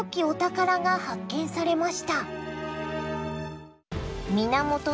お宝が発見されました。